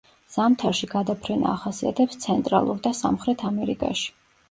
ზამთარში გადაფრენა ახასიათებს ცენტრალურ და სამხრეთ ამერიკაში.